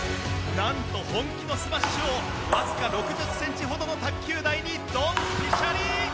なんと本気のスマッシュをわずか６０センチほどの卓球台にドンピシャリ！